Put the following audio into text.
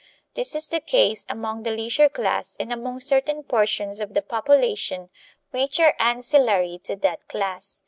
This is the case among the leisure class and among certain portions of the population which are ancillary to that class.